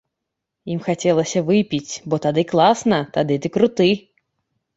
Ім хацелася выпіць, бо тады класна, тады ты круты.